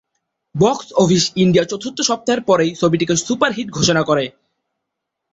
Box office India চতুর্থ সপ্তাহের পরেই ছবিটিকে সুপার হিট ঘোষণা করে।